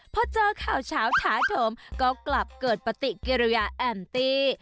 พอเจอข่าวเช้าท้าโถมก็กลับเกิดปฏิกิริยาแอมตี้